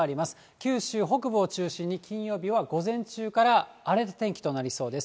九州北部を中心に金曜日は午前中から荒れる天気となりそうです。